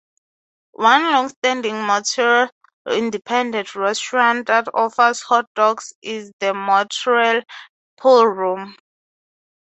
One longstanding Montreal independent restaurant that offers hot dogs is the Montreal Pool Room.